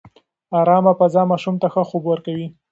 ارامه فضا ماشوم ته ښه خوب ورکوي.